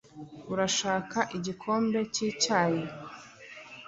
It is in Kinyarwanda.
Urashaka igikombe cyicyayi?